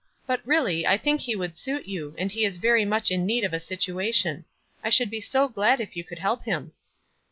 "But, really, I think he would suit you, and he is very much in need of a situ ation. I should be so glad if you could help him."